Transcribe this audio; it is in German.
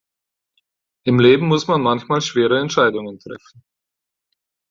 Im Leben muss man manchmal schwere Entscheidungen treffen.